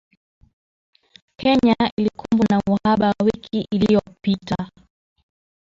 Kenya ilikumbwa na uhaba wiki iliyopita